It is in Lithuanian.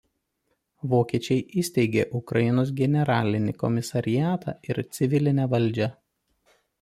Vokiečiai įsteigė Ukrainos generalinį komisariatą ir civilinę valdžią.